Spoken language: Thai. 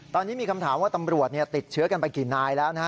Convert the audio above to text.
ตอนนี้มีคำถามว่าตำรวจติดเชื้อกันไปกี่นายแล้วนะฮะ